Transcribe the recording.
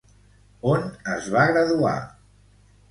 On es va graduar?